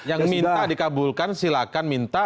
yang minta dikabulkan silahkan minta